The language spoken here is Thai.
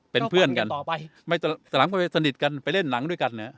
เป็นเพื่อนกันแต่หลังกันไปสนิทกันไปเล่นหนังด้วยกัน